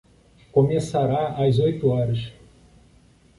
Começará às oito horas.